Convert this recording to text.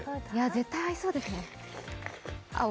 絶対合いそうですね。